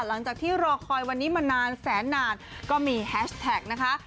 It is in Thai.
หลังจากที่รอคอยวันนี้มานานแสนนานก็มีแฮชแท็กนะคะ